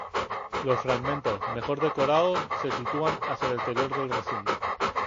Los fragmentos mejor decorados se sitúan hacia el exterior del recinto.